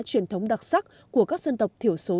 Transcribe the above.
truyền thống đặc sắc của các dân tộc thiểu số